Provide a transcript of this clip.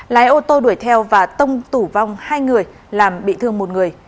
lái ô tô đuổi theo và tông tử vong hai người làm bị thương một người